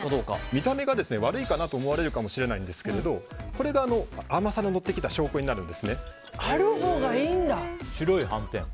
見た目が悪いかなと思われるかもしれないんですけどこれが甘さののってきたあるほうがいいんだ。